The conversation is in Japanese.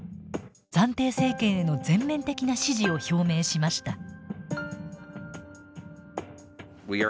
暫定政権への全面的な支持を表明しました。